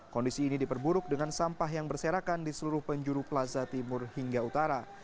kondisi ini diperburuk dengan sampah yang berserakan di seluruh penjuru plaza timur hingga utara